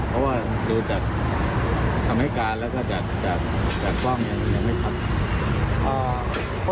เพราะว่าดูจากทำให้การแล้วก็จากป้องอย่างนี้ครับ